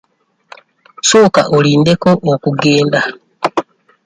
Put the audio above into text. Sooka olindeko okugenda.